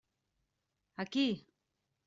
A qui?